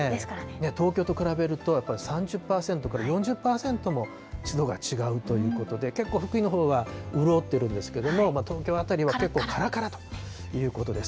東京と比べると、やっぱり３０％から４０％も湿度が違うということで、結構、福井のほうは潤ってるんですけれども、東京辺りは結構からからということです。